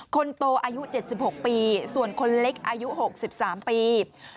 คนโตอายุ๗๖ปีส่วนคนเล็กอายุ๖๓ปี